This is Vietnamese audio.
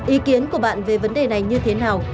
ý kiến của bạn về vấn đề này như thế nào